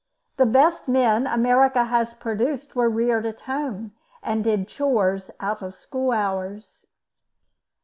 The best men America has produced were reared at home, and did chores out of school hours.